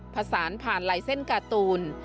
ผสานผ่านลายเส้นการ์ตูน